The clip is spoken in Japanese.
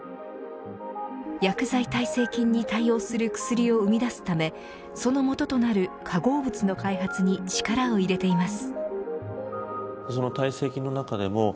薬剤耐性菌に対応する薬を生み出すためその元となる化合物の開発に力を入れています。